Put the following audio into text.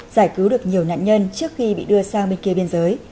giải cứu được nhiều nạn nhân trước khi bị đưa sang bên kia biên giới